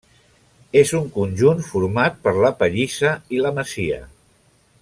És un conjunt format per la pallissa i la masia.